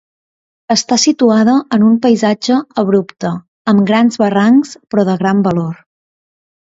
Està situada en un paisatge abrupte, amb grans barrancs, però de gran valor.